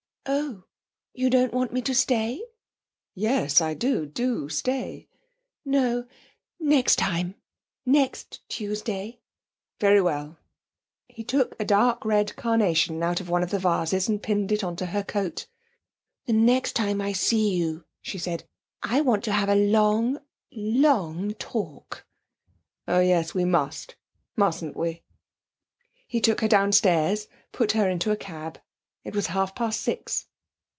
'Oh, you don't want me to stay?' 'Yes, I do; do stay.' 'No, next time next Tuesday.' 'Very well, very well.' He took a dark red carnation out of one of the vases and pinned it on to her coat. 'The next time I see you,' she said, 'I want to have a long, long talk.' 'Oh yes; we must, mustn't we?' He took her downstairs, put her into a cab. It was half past six.